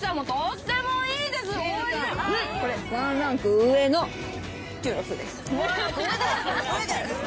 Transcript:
これ、ワンランク上のチュロスです。